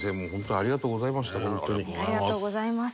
ありがとうございます。